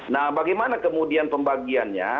nah bagaimana kemudian pembagiannya